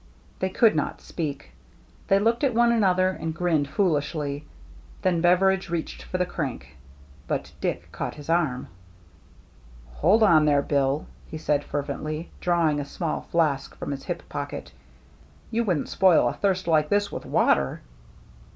They could not speak; they looked at one THE GINGHAM DRESS 269 another and grinned foolishly. Then Bever idge reached for the crank, but Dick caught his arm. "Hold on there. Bill/* he said fervently, drawing a small flask from his hip pocket, "you wouldn't spoil a thirst like this with water